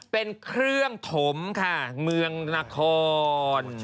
เป็นเครื่องถมค่ะเมืองนคร